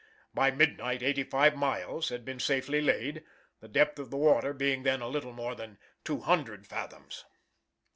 By midnight 85 miles had been safely laid, the depth of the water being then a little more than 200 fathoms.